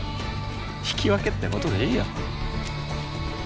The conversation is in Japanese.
引き分けってことでいいよ。